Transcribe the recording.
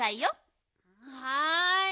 はい。